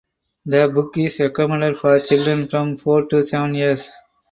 The book is recommended for children from four to seven years.